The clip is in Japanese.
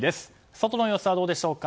その様子はどうでしょうか。